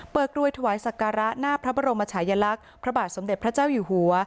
กรวยถวายศักระหน้าพระบรมชายลักษณ์พระบาทสมเด็จพระเจ้าอยู่หัว